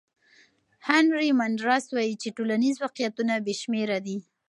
هانري مندراس وایي چې ټولنیز واقعیتونه بې شمېره دي.